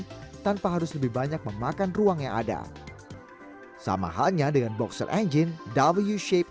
ini tanpa harus lebih banyak memakan ruang yang ada sama halnya dengan boxer engine w shape